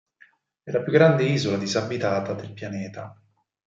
È la più grande isola disabitata del pianeta.